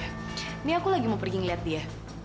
ini aku lagi mau pergi ngeliat dia